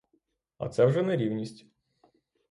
А це вже нерівність.